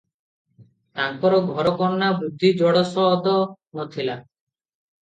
ତାଙ୍କର ଘରକରଣା ବୁଦ୍ଧି ଜଡ଼ସଦ ନ ଥିଲା ।